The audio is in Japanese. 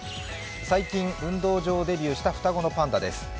最近、運動場デビューした双子のパンダです。